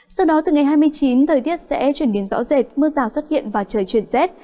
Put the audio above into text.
sau đó từ ngày hai mươi chín thời tiết sẽ chuyển biến rõ rệt mưa rào xuất hiện và trời chuyển rét